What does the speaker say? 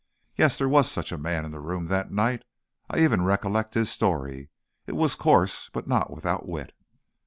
Yes; there was such a man in the room that night. I even recollect his story. It was coarse, but not without wit."